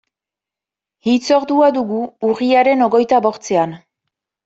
Hitzordua dugu urriaren hogeita bostean.